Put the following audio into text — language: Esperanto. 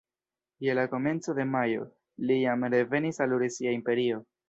Je la komenco de majo, li jam revenis al Rusia imperio.